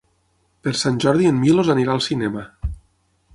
Per Sant Jordi en Milos anirà al cinema.